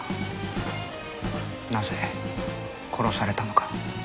なぜ殺されたのか。